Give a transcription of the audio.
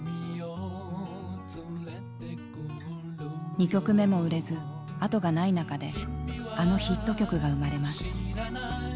２曲目も売れずあとがない中であのヒット曲が生まれます。